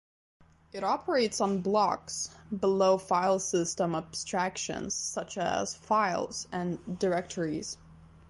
It operates on blocks, below filesystem abstractions such as files and directories.